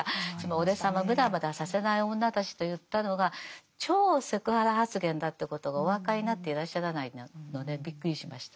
俺様をムラムラさせない女たちと言ったのが超セクハラ発言だということがお分かりになっていらっしゃらないのでびっくりしました。